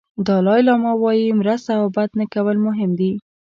دالای لاما وایي مرسته او بد نه کول مهم دي.